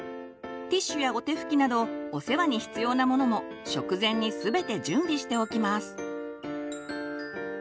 ティッシュやおてふきなどお世話に必要なものも食前に全て準備しておきます。